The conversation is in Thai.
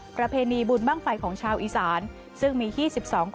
ประเพณีบุญบ้างไฟของชาวอีสานซึ่งมี๒๒คน